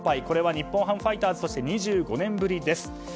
これは日本ハムファイターズで２５年ぶりです。